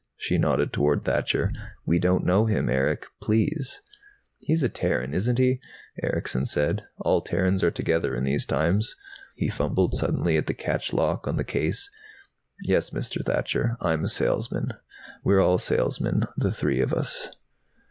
She nodded toward Thacher. "We don't know him, Erick. Please!" "He's a Terran, isn't he?" Erickson said. "All Terrans are together in these times." He fumbled suddenly at the catch lock on the case. "Yes, Mr. Thacher. I'm a salesman. We're all salesmen, the three of us."